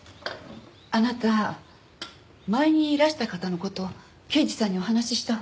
あなた前にいらした方の事刑事さんにお話ししたほうが。